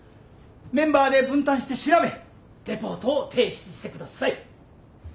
メンバーで分担して調べレポートを提出してください。